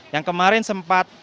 yang kemarin sempat